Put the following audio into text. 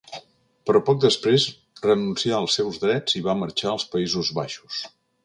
Però poc després renuncià als seus drets i va marxar als Països Baixos.